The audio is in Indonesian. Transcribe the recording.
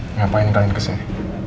ngapain kalian kesini